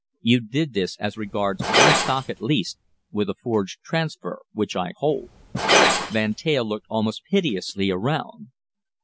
You did this as regards one stock at least, with a forged transfer, which I hold." Van Teyl looked almost piteously around.